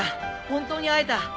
本当に会えた！